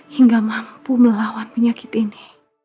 hingga mampu melawan penyakit ini